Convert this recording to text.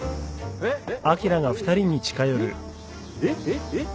えっえっえっ？えっ？